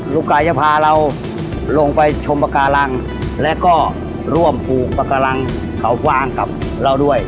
ลูกกายจะพาเราลงไปชมปากการังและก็ร่วมปลูกปากการังเขากวางกับเราด้วย